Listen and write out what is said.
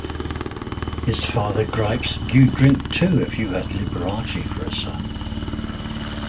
His father gripes, You'd drink too if you had Liberace for a son.